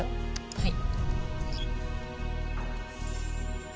はい。